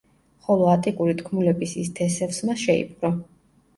ხოლო ატიკური თქმულების ის თესევსმა შეიპყრო.